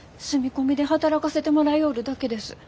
住み込みで働かせてもらようるだけです。